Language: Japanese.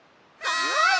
はい！